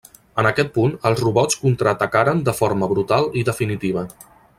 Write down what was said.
En aquest punt, els robots contraatacaren de forma brutal i definitiva.